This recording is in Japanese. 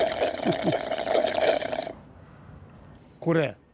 これ？